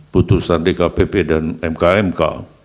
putusan dkpp dan mkmk